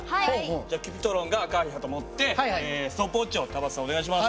じゃあＣｕｐｉｔｒｏｎが赤い旗持ってストップウォッチを田畑さんお願いします。